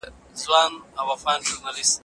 د ټوکي کوونکي د طلاق واقع کېدل په نص سره ثابت دي.